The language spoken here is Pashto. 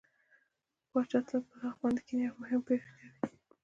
پاچا تل په تخت باندې کيني او مهمې پرېکړې پرې کوي.